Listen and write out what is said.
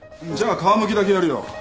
じゃあ皮むきだけやるよ。